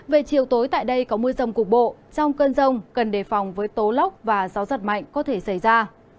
về chiều tối tại đây có mưa rồng cục bộ trong cơn rồng cần đề phòng với tố lóc và gió giật mạnh có thể xảy ra